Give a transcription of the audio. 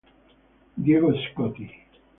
Diego Scotti